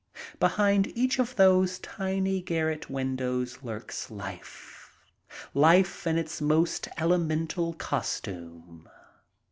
Behind each of those tiny garret windows lurks life — life in its most elemental costume.